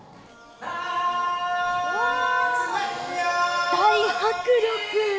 うわー、大迫力。